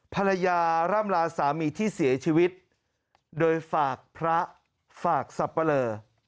ภรรยาร่ำลาสามีที่เสียชีวิตโดยฝากพระฝากสับปะเลอ